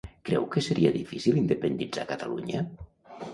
Creu que seria difícil independitzar Catalunya?